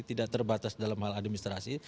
tidak terbatas dalam hal administrasi